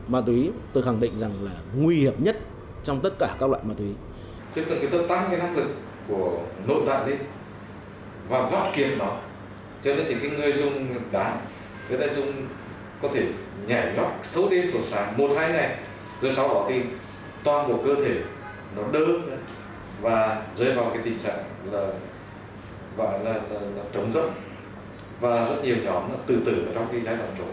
và rơi vào tình trạng gọi là trống rốc và rất nhiều nhóm tự tử trong giai đoạn trống rốc